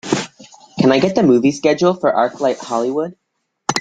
Can I get the movie schedule for ArcLight Hollywood